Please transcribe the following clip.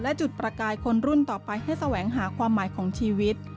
และจุดประกายคนรุ่นต่อไปให้แสวงหาความหมายของชีวิต